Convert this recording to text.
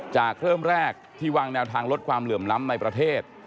เริ่มแรกที่วางแนวทางลดความเหลื่อมล้ำในประเทศ